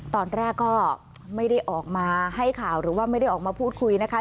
ตอนแรกก็ไม่ได้ออกมาให้ข่าวหรือว่าไม่ได้ออกมาพูดคุยนะคะ